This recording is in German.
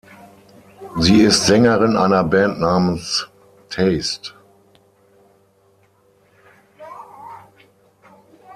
Sie ist Sängerin einer Band namens "Taste".